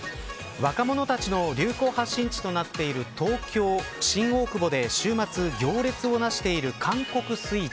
若者たちの流行発信地となっている東京、新大久保で週末行列をなしている韓国スイーツ。